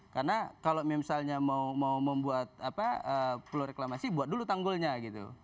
karena kalau misalnya mau membuat pulau reklamasi buat dulu tanggulnya gitu